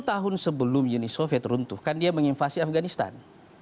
dua puluh tahun sebelum uni soviet runtuh kan dia menginvasi afganistan